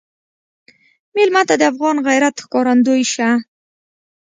مېلمه ته د افغان غیرت ښکارندوی شه.